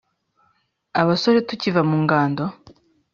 abasore tukiva mu ngando